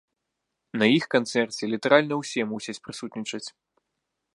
На іх канцэрце літаральна ўсе мусяць прысутнічаць!